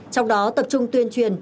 trong đó tập trung tuyên truyền